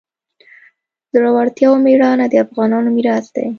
زړورتیا او میړانه د افغانانو میراث دی.